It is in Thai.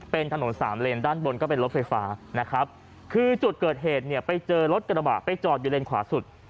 เป็นถนนสามเลนด้านบนก็เป็นรถไฟฟ้านะครับคือจุดเกิดเหตุเนี่ยไปเจอรถกระบะไปจอดอยู่เลนขวาสุด